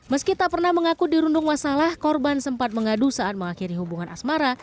meski tak pernah mengaku dirundung masalah korban sempat mengadu saat mengakhiri hubungan asmara